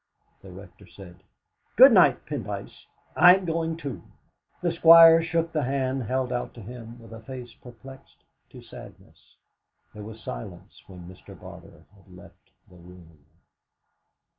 The Rector said: "Good night, Pendyce; I'm going, too!" The Squire shook the hand held out to him with a face perplexed to sadness. There was silence when Mr. Barter had left the room.